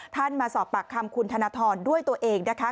มาสอบปากคำคุณธนทรด้วยตัวเองนะคะ